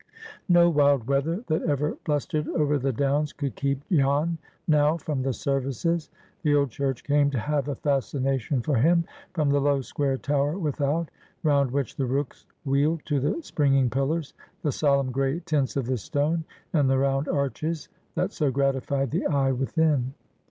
No wild weather that ever blustered over the downs could keep Jan now from the services. The old church came to have a fascination for him, from the low, square tower without, round which the rooks wheeled, to the springing pillars, the solemn gray tints of the stone, and the round arches that so gratified the eye within.